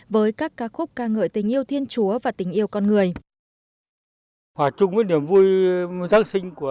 với các ca khúc ca ngợi tình yêu thiên chúa và tình yêu con người